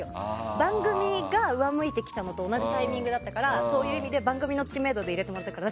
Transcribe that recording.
番組が上向いてきたのと同じタイミングだったから番組の知名度で入れてもらったから。